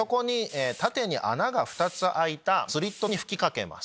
縦に穴が２つ開いたスリットに吹きかけます。